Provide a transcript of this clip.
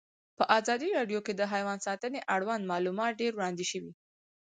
په ازادي راډیو کې د حیوان ساتنه اړوند معلومات ډېر وړاندې شوي.